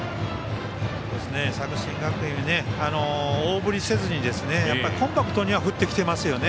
作新学院は大振りせずにコンパクトに振ってきてますよね。